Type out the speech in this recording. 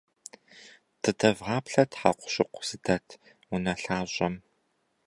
Дыдэвгъаплъэт хьэкъущыкъу зыдэт унэлъащӏэм.